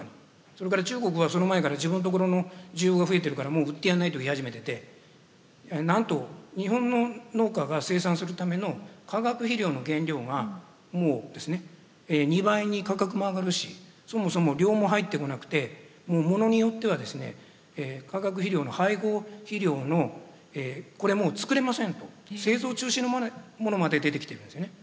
それから中国はその前から自分のところの需要が増えてるから「もう売ってやんない」と言い始めてて何と日本の農家が生産するための化学肥料の原料がもうですね２倍に価格も上がるしそもそも量も入ってこなくてものによってはですね「化学肥料の配合肥料のこれもう作れません」と製造中止のものまで出てきているんですよね。